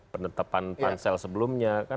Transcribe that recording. penetapan pansel sebelumnya